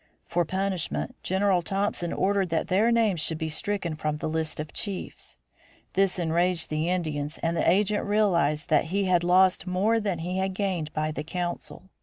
For punishment General Thompson ordered that their names should be stricken from the list of chiefs. This enraged the Indians and the agent realized that he had lost more than he had gained by the council.